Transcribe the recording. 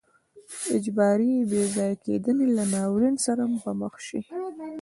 اجباري بې ځای کېدنې له ناورین سره به مخ شي.